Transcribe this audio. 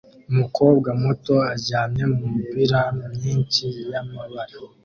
Umukobwa muto aryamye mumipira myinshi yamabara